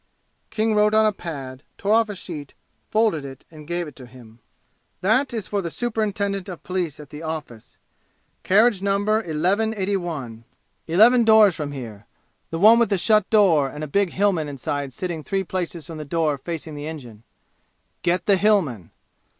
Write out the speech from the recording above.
King wrote on a pad, tore off a sheet, folded it and gave it to him. "That is for the Superintendent of Police at the office. Carriage number 1181, eleven doors from here the one with the shut door and a big Hillman inside sitting three places from the door facing the engine. Get the Hillman!